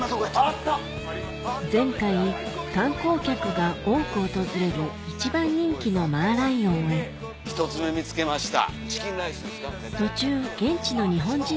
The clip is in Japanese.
前回観光客が多く訪れる一番人気のマーライオンへ１つ目見つけました。